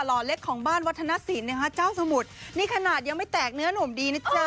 ห่อเล็กของบ้านวัฒนศิลป์นะคะเจ้าสมุทรนี่ขนาดยังไม่แตกเนื้อหนุ่มดีนะจ๊ะ